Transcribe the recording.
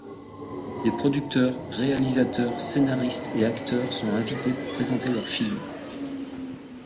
Des producteurs, réalisateurs, scénaristes et acteurs sont invités pour présenter leurs films.